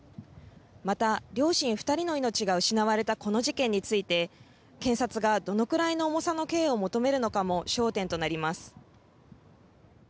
また両親２人の命が失われたこの事件について検察がどのくらいの重さの刑を求めるのかも焦点となります。